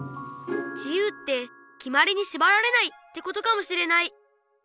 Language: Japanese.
自由ってきまりにしばられないってことかもしれない。